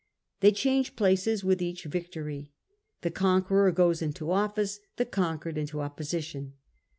They change places with each victory. The conqueror goes into office ; the conquered into opposition.